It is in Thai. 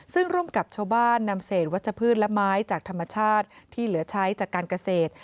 ซึ่งร่วมกับชาวบ้านนำเศษวัชพืชและไม้จากธรรมชาติที่เหลือใช้จากการเกษตร